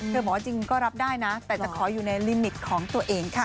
บอกว่าจริงก็รับได้นะแต่จะขออยู่ในลิมิตของตัวเองค่ะ